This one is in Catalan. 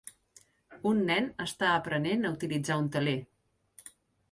Un nen està aprenent a utilitzar un teler.